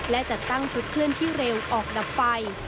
และจัดตั้งชุดเคลื่อนที่เร็วออกดับไฟ